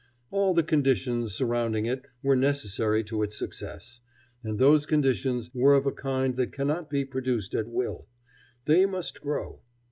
All the conditions surrounding it were necessary to its success, and those conditions were of a kind that cannot be produced at will; they must grow.